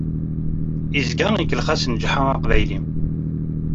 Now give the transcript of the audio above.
Izga ikellex-asen Ǧeḥḥa Aqbayli.